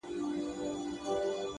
ه ياره په ژړا نه کيږي!!